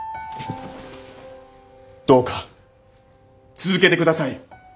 どうか続けて下さい。